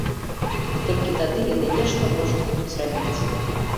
Толькі тады яны нешта можа будуць рабіць.